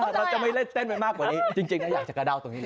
เราจะไม่เล่นเต้นไปมากกว่านี้จริงอยากจะกระเดาวตรงนี้เลย